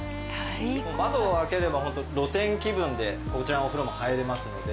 窓を開ければホント露天気分でこちらのお風呂も入れますので。